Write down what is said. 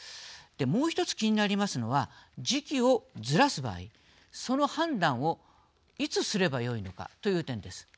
もう１つ、気になりますのは時期をずらす場合その判断をいつすればよいのかという点です。